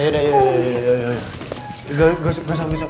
yaudah yaudah yaudah yaudah